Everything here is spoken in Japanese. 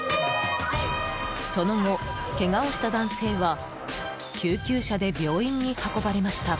その後、けがをした男性は救急車で病院に運ばれました。